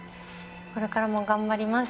これからも頑張ります。